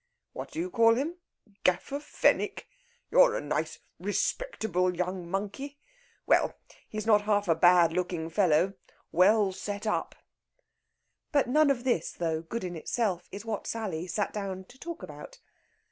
"What do you call him? Gaffer Fenwick? You're a nice, respectable young monkey! Well, he's not half a bad looking fellow; well set up." But none of this, though good in itself, is what Sally sat down to talk about.